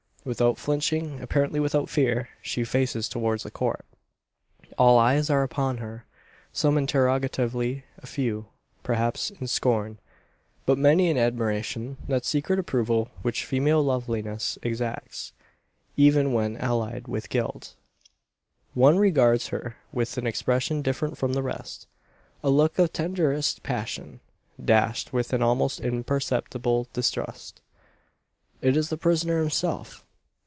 Without flinching apparently without fear she faces towards the Court. All eyes are upon her: some interrogatively; a few, perhaps, in scorn: but many in admiration that secret approval which female loveliness exacts, even when allied with guilt! One regards her with an expression different from the rest: a look of tenderest passion, dashed with an almost imperceptible distrust. It is the prisoner himself.